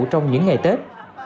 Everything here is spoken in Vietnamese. trong những ngày tết